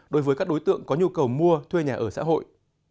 đối với các đối tượng có nhu cầu mua thuê nhà ở xã hội